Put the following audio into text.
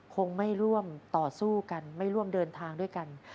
คงไม่ร่วมต่อสู้กันไม่ร่วมเดินทางด้วยกัน